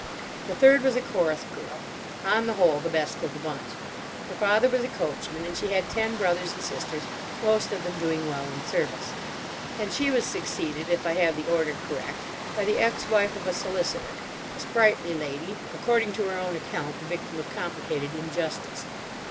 The third was a chorus girl: on the whole, the best of the bunch. Her father was a coachman, and she had ten brothers and sisters, most of them doing well in service. And she was succeeded—if I have the order correct—by the ex wife of a solicitor, a sprightly lady; according to her own account the victim of complicated injustice.